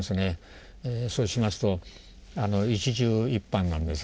そうしますと一汁一飯なんですね。